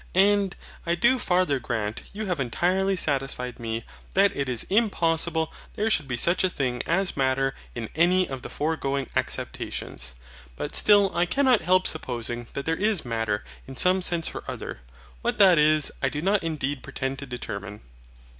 And, I do farther grant you have entirely satisfied me that it is impossible there should be such a thing as matter in any of the foregoing acceptations. But still I cannot help supposing that there is MATTER in some sense or other. WHAT THAT IS I do not indeed pretend to determine.